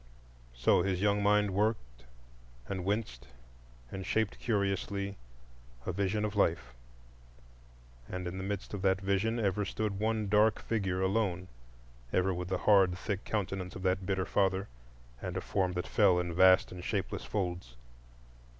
So his young mind worked and winced and shaped curiously a vision of Life; and in the midst of that vision ever stood one dark figure alone,—ever with the hard, thick countenance of that bitter father, and a form that fell in vast and shapeless folds.